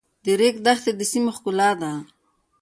د ریګ دښتې د سیمو ښکلا ده.